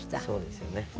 そうですよね。